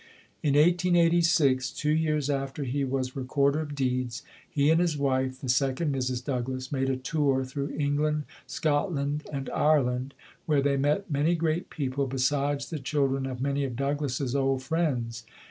In 1886, two years after he was Recorder of Deeds, he and his wife the second Mrs. Doug lass made a tour through England, Scotland and Ireland, where they met many great people besides the children of many of Douglass's old friends.